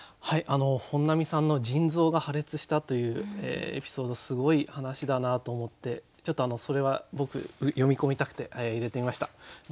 はいあの本並さんの腎臓が破裂したというエピソードすごい話だなと思ってちょっとそれは僕詠み込みたくて入れてみました。